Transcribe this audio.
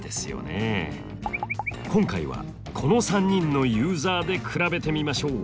今回はこの３人のユーザーで比べてみましょう。